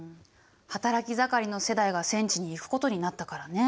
働き盛りの世代が戦地に行くことになったからね。